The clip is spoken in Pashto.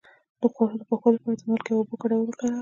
د خوړو د پاکوالي لپاره د مالګې او اوبو ګډول وکاروئ